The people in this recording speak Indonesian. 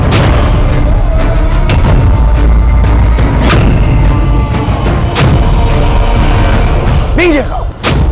bikin dia kau